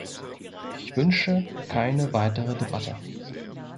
Ich wünsche keine weitere Debatte.